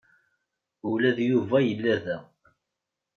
Ula d Yuba yella da.